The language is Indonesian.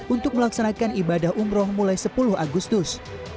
untuk melaksanakan ibadah umroh mulai sepuluh agustus